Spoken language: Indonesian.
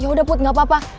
yaudah put gak apa apa